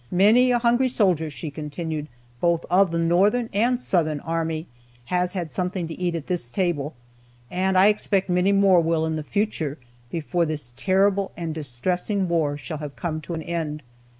Many a hungry soldier,' she continued, 'both of the Northern and Southern army, has had something to eat at this table, and I expect many more will in the future, before this terrible and distressing war shall have come to an end.'